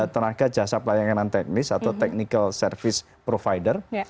tenaga jasa pelayanan teknis atau technical service provider